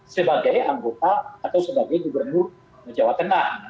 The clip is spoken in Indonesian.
sebagai anggota atau sebagai gubernur jawa tengah